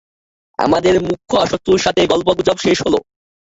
আমাদের মূখ্য শত্রুর সাথে গল্পগুজব শেষ হলো?